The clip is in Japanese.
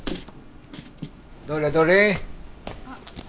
どれどれ？